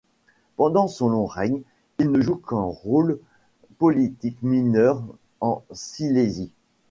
Pendant son long règne il ne joue qu'en rôle politique mineur en Silésie.